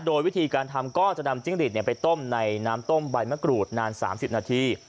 โดยวิธีการทำก็จะนำจิ้งหลีดไปต้มในน้ำต้มใบมะกรูดนาน๓๐นาที